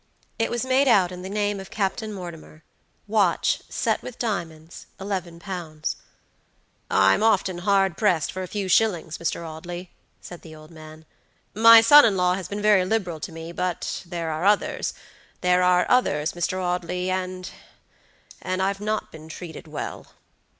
It was made out in the name of Captain Mortimer: "Watch, set with diamonds, £11." "I'm often hard pressed for a few shillings, Mr. Audley," said the old man. "My son in law has been very liberal to me; but there are others, there are others, Mr. AudleyandandI've not been treated well."